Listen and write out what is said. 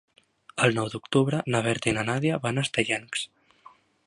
El nou d'octubre na Berta i na Nàdia van a Estellencs.